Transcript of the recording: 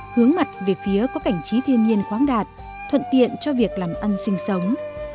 hướng mặt về phía có cảnh trí thiên nhiên khoáng đạt thuận tiện cho việc làm ăn sinh sống